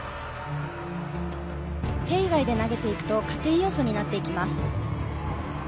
手以外で投げていくと加点要素になっていきます。